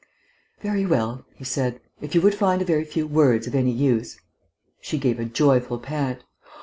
"Very well," he said. "If you would find a very few words of any use " She gave a joyful pant.